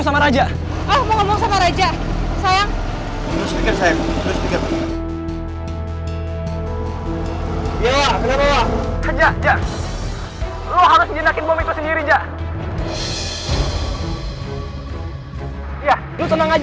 sampai jumpa lagi